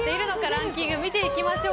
ランキング見ていきましょう。